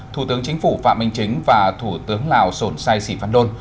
thủ tướng chính phủ phạm minh chính và thủ tướng lào sổn sai sĩ phan đôn